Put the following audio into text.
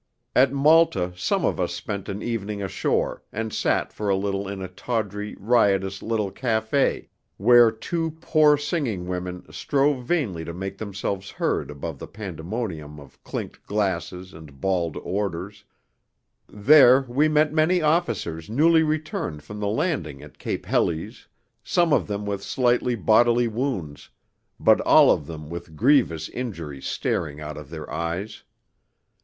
At Malta some of us spent an evening ashore, and sat for a little in a tawdry, riotous little café, where two poor singing women strove vainly to make themselves heard above the pandemonium of clinked glasses and bawled orders; there we met many officers newly returned from the landing at Cape Helles, some of them with slight bodily wounds, but all of them with grievous injury staring out of their eyes.